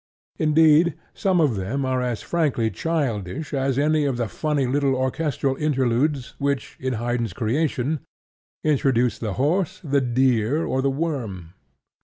Indeed some of them are as frankly childish as any of the funny little orchestral interludes which, in Haydn's Creation, introduce the horse, the deer, or the worm.